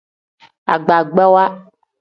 Agbagbawa.